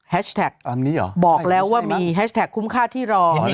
บอกแล้วว่ามีแฮชแท็กคุ้มค่าที่รอ